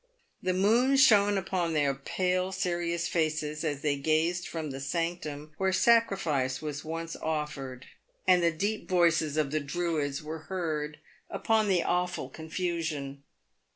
The moon shone upon their pale, serious faces as they gazed from the sanctum where sacrifice was once offered, and the deep voices of the Druids were heard upon the awful confusion.